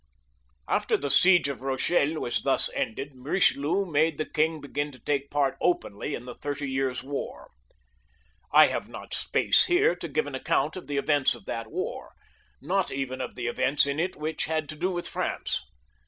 After the siege of Bochelle was thus ended, Bichelieu madS' the king begin to take part openly in the Thirty Years* War. I have not space here to give an account of the events of that war, not even of the events in it which Vl^» 0'^^ XLiL] LOUIS XIIL 325 had to do with France.